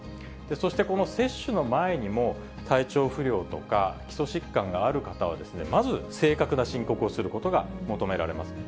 そして、この接種の前にも体調不良とか、基礎疾患がある方はまず正確な申告をすることが求められます。